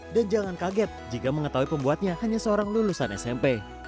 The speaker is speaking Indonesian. dan jangan kaget jika mengetahui pembuatnya hanya seorang lulusan smp